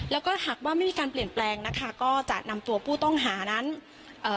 แล้วก็หากว่าไม่มีการเปลี่ยนแปลงนะคะก็จะนำตัวผู้ต้องหานั้นเอ่อ